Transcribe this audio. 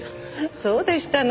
そうでしたの。